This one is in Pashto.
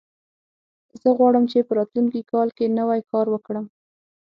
زه غواړم چې په راتلونکي کال کې نوی کار وکړم